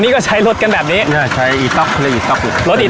อ๋อนี่ก็ใช้รถกันแบบนี้